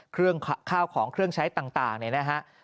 ข้าวของเครื่องใช้ต่างเนี่ยนะฮะ